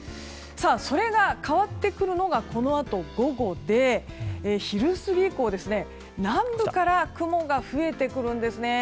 それが変わってくるのがこのあと午後で昼過ぎ以降、南部から雲が増えてくるんですね。